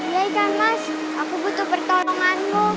ya ikan mas aku butuh pertolonganmu